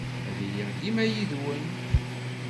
Ad iliɣ dima yid-wen.